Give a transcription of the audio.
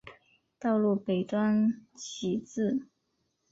道路北端起自。